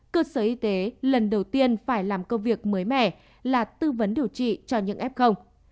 cơ sở y tế lần đầu tiên phải làm công việc mới mẻ là tư vấn điều trị cho những f